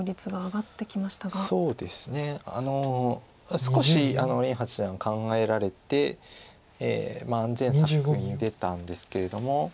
少し林八段考えられて安全策に出たんですけれども。